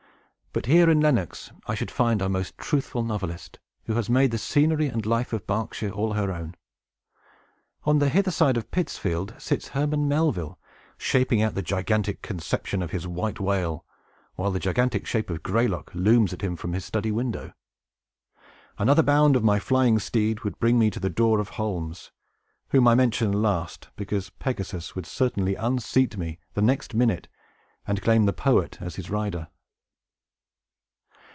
But, here in Lenox, I should find our most truthful novelist, who has made the scenery and life of Berkshire all her own. On the hither side of Pittsfield sits Herman Melville, shaping out the gigantic conception of his 'White Whale,' while the gigantic shape of Graylock looms upon him from his study window. Another bound of my flying steed would bring me to the door of Holmes, whom I mention last, because Pegasus would certainly unseat me, the next minute, and claim the poet as his rider."